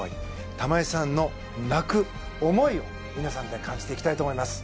玉井さんの「泣く」思いを皆さんで感じていきたいと思います。